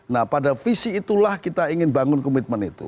nah pada visi itulah kita ingin bangun komitmen itu